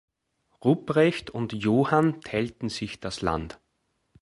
Ruprecht und Johann teilten sich das Land.